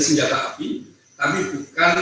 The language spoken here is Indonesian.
senjata api tapi bukan